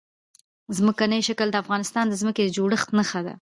ځمکنی شکل د افغانستان د ځمکې د جوړښت نښه ده.